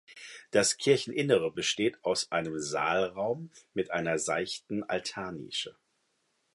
Das Kircheninnere besteht aus einem Saalraum mit einer seichten Altarnische.